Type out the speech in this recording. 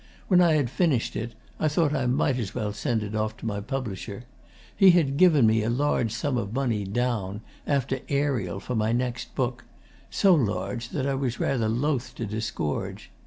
When I had finished it, I thought I might as well send it off to my publisher. He had given me a large sum of money, down, after "Ariel," for my next book so large that I was rather loth to disgorge.